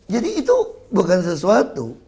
jadi itu bukan sesuatu